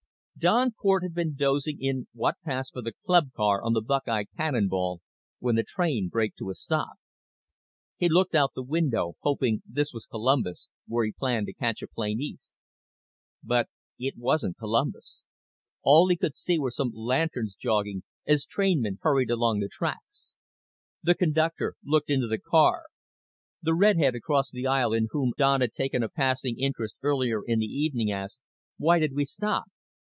Don Cort had been dozing in what passed for the club car on the Buckeye Cannonball when the train braked to a stop. He looked out the window, hoping this was Columbus, where he planned to catch a plane east. But it wasn't Columbus. All he could see were some lanterns jogging as trainmen hurried along the tracks. The conductor looked into the car. The redhead across the aisle in whom Don had taken a passing interest earlier in the evening asked, "Why did we stop?"